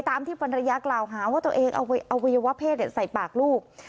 ตามที่ภรรยากล่าวหาว่าตัวเองเอาอวัยวะเพศใส่ปากลูก